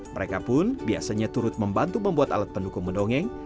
mereka pun biasanya turut membantu membuat alat pendukung mendongeng